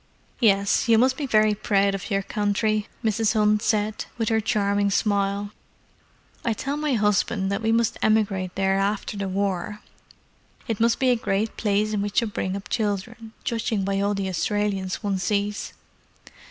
"Yes, you must be very proud of your country," Mrs. Hunt said, with her charming smile. "I tell my husband that we must emigrate there after the war. It must be a great place in which to bring up children, judging by all the Australians one sees."